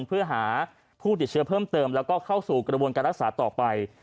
เพื่อหาผู้ติดเชื้อเพิ่มเติมแล้วก็เข้าสู่กระบวนการรักษาต่อไป